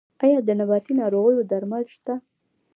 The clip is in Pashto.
آیا د نباتي ناروغیو درمل شته؟